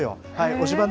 推しバン！